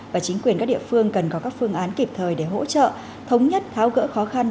và chính quyền các địa phương cần có các phương án kịp thời để hỗ trợ thống nhất tháo gỡ khó khăn